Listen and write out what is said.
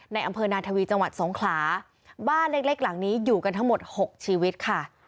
ในอำเภอนาทวีจังหวัดสงขลาบ้านเล็กเล็กหลังนี้อยู่กันทั้งหมดหกชีวิตค่ะ